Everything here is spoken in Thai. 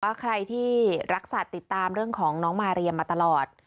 ใครที่รักสัตว์ติดตามเรื่องของน้องมาเรียมาตลอด